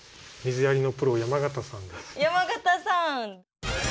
山方さん。